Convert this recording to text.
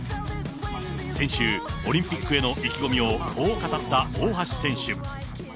先週、オリンピックへの意気込みをこう語った、大橋選手。